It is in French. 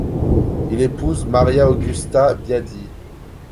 Il épouse Maria Augusta Biadi.